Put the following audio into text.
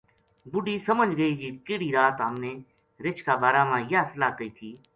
بڈھی سمجھ گئی جی کِہڑی رات ہم نے رچھ کا بارہ ما یاہ صلاح کئی تھی